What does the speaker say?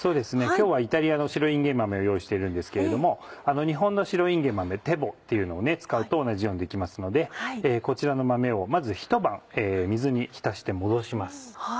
今日はイタリアの白いんげん豆を用意しているんですけれども日本の白いんげん豆手ぼうっていうのを使うと同じようにできますのでこちらの豆をまずひと晩水に浸して戻します。